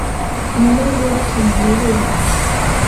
Imbwa ziruka mu rubura